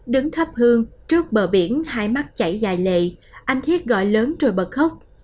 đứng thấp hơn trước bờ biển hai mắt chảy dài lệ anh thiết gọi lớn rồi bật khóc